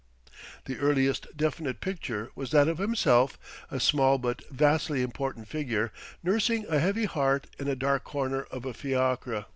The earliest definite picture was that of himself, a small but vastly important figure, nursing a heavy heart in a dark corner of a fiacre.